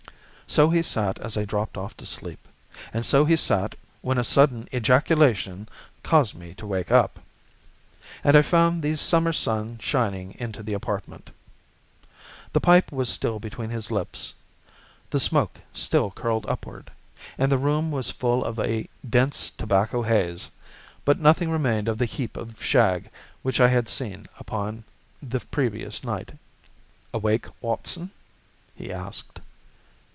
So he sat as I dropped off to sleep, and so he sat when a sudden ejaculation caused me to wake up, and I found the summer sun shining into the apartment. The pipe was still between his lips, the smoke still curled upward, and the room was full of a dense tobacco haze, but nothing remained of the heap of shag which I had seen upon the previous night. "Awake, Watson?" he asked.